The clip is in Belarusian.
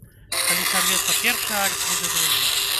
Калі сарвецца першы акт, будзе другі.